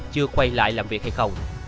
chưa quay lại làm việc hay không